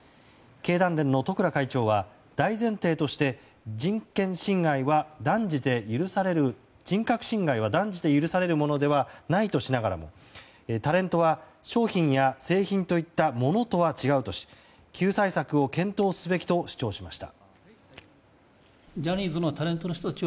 経団連の十倉会長は大前提として人格侵害は断じて許されるものではないとしながらもタレントは、商品や製品といったモノとは違うとし救済策を検討すべきと主張しました。